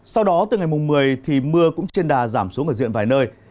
sau đó từ ngày một mươi thì mưa cũng trên đà giảm xuống ở diện vài nơi